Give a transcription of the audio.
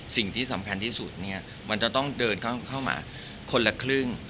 สิ่งที่สำคัญที่สุดเนี่ยมันจะต้องเดินเข้ามาคนละครึ่ง